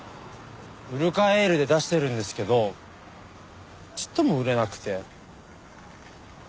ウルカエールで出してるんですけどちっとも売れなくて。